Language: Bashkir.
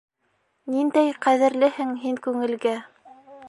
Ниндәй ҡәҙерлеһең һин күңелгә!